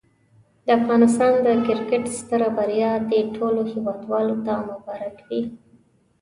د افغانستان د کرکټ ستره بریا دي ټولو هېوادوالو ته مبارک وي.